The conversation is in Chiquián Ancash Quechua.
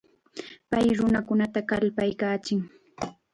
Pay nunakunata kallpakachin.